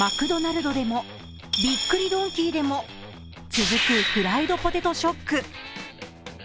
マクドナルドでもびっくりドンキーでも続くフライドポテトショック。